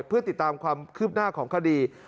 เพื่อติดตามความคืบหน้าของคดี